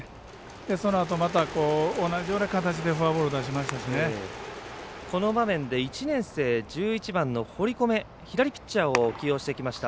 そのあと、お同じような形でこの場面で１１番１年生の堀米、左ピッチャーを起用してきました。